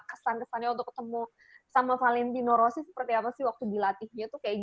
kesan kesannya untuk ketemu sama valentino rossi seperti apa sih waktu dilatihnya tuh kayak gitu